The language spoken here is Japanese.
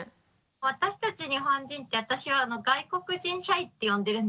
私たち日本人って私は外国人シャイって呼んでるんですけれども。